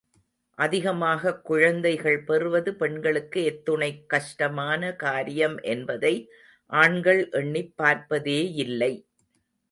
அதிகமாகக் குழந்தைகள் பெறுவது பெண்களுக்கு எத்துணைக்கஷ்டமான காரியம் என்பதை ஆண்கள் எண்ணிப் பார்ப்பதேயில்லை.